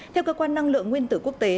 theo cơ quan năng lượng nguyên tử quốc tế